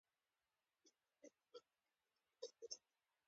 آیا کوپراتیفونه شته؟